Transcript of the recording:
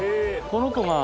この子が。